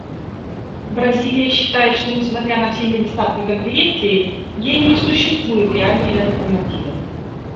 Бразилия считает, что, несмотря на все недостатки Конференции, ей не существует реальной альтернативы.